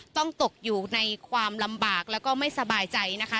ตกอยู่ในความลำบากแล้วก็ไม่สบายใจนะคะ